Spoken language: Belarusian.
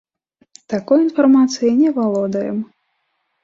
Такой інфармацыяй не валодаем.